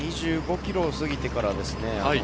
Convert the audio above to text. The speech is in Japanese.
２５ｋｍ過ぎてからですね。